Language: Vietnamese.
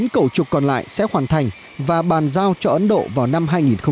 chín cầu trục còn lại sẽ hoàn thành và bàn giao cho ấn độ vào năm hai nghìn một mươi chín